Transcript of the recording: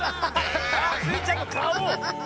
スイちゃんのかお！